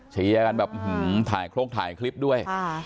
เชียร์กันแบบถ่ายโครงถ่ายคลิปด้วย